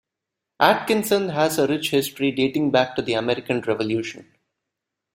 Atkinson has a rich history, dating back to the American Revolution.